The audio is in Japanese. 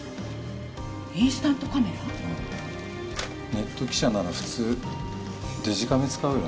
ネット記者なら普通デジカメ使うよね。